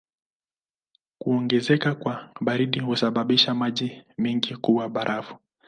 Kuongezeka kwa baridi husababisha maji mengi kuwa barafu.